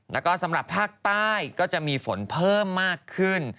แล้วก็สำหรับภาคใต้ก็จะมีฝนเพิ่มมากขึ้น